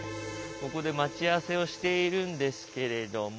ここで待ち合わせをしているんですけれども。